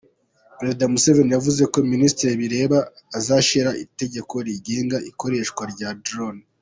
Perezida Museveni yavuze ko Minisitiri bireba azashyira itegeko rigenga ikoreshwa rya drone.